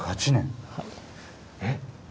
えっ！？